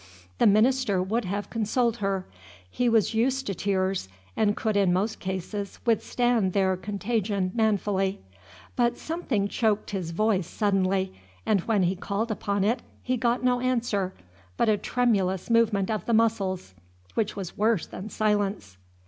The minister would have consoled her; he was used to tears, and could in most cases withstand their contagion manfully; but something choked his voice suddenly, and when he called upon it, he got no answer, but a tremulous movement of the muscles, which was worse than silence.